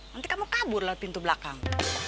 nanti kamu kabur lewat pintu belakang